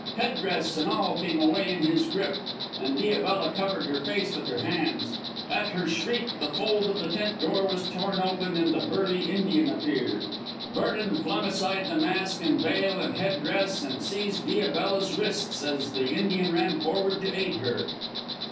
Head dress and all came away in his grip, and Diabella covered her face with her hands. At her shriek the fold of the tent door was torn open and the burly Indian appeared. Vernon flung aside the mask and veil and head dress and seized Diabella's wrists as the Indian ran forward to aid her.